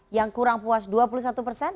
yang kurang puas dua puluh satu persen